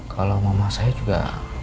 kalau mama saya juga